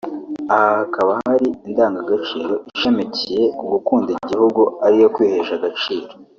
Aha hakaba hari indagagaciro ishamikiye ku Gukunda igihugu ariyo ‘Kwihesha agaciro’